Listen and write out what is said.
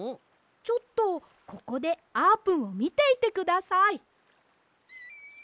ちょっとここであーぷんをみていてください。